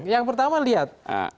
yang pertama lihat